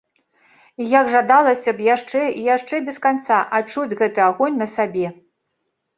І як жадалася б яшчэ і яшчэ без канца адчуць гэты агонь на сабе.